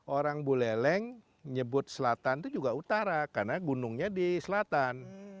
orang buleleng nyebut selatan itu juga utara karena gunungnya di selatan